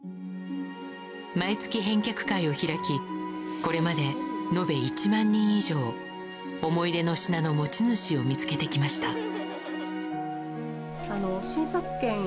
毎月返却会を開きこれまで延べ１万人以上思い出の品の持ち主を見つけてきました。